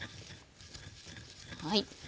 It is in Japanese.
はい。